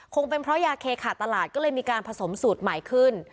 คงเป็นเพราะยาเคขาดตลาดก็เลยมีการผสมสูตรใหม่ขึ้น